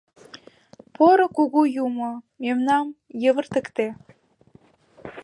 Поро кугу юмо, мемнам йывыртыкте.